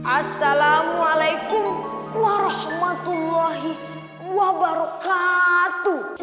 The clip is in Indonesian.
assalamualaikum warahmatullahi wabarakatuh